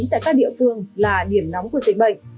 tại các địa phương là điểm nóng của dịch bệnh